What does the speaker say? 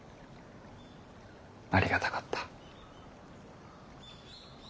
ありがたかった。